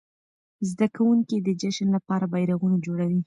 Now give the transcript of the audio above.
زده کوونکي د جشن لپاره بيرغونه جوړوي.